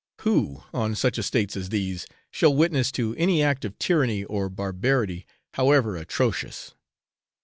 Who, on such estates as these, shall witness to any act of tyranny or barbarity, however atrocious?